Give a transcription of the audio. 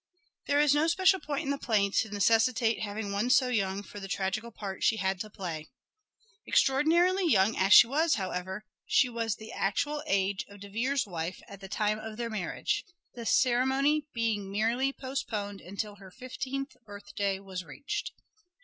There is no special point in the play to necessitate having one so young for the tragical part she had to play. Extra ordinarily young as she was, however, she was the actual age of De Vere's wife at the time of their mar riage : the ceremony being merely postponed until her fifteenth birthday was reached.